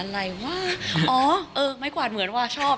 ไม่กว่าที่เหมือนว่าชอบ